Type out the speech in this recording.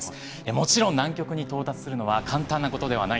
もちろん南極に到達するのは簡単なことではないんです。